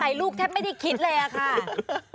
ง่ายไปลูกแทบไม่ได้คิดเลยอะค่ะ